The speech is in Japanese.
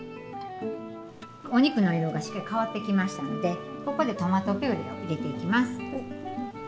お肉の色がしっかり変わってきましたのでここでトマトピュレを入れていきます。